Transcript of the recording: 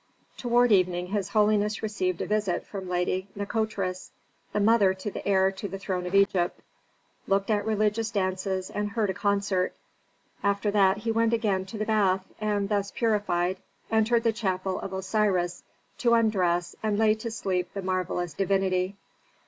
Toward evening his holiness received a visit from Lady Nikotris, the mother to the heir to the throne of Egypt; looked at religious dances and heard a concert. After that he went again to the bath and, thus purified, entered the chapel of Osiris to undress and lay to sleep the marvellous divinity.